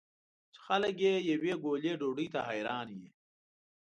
چې خلک یې یوې ګولې ډوډۍ ته حیران وي.